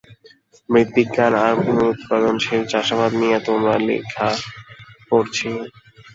মৃৎবিজ্ঞান আর পুনরুৎপাদনশীল চাষাবাদ নিয়ে তোমার লেখা পড়েছি।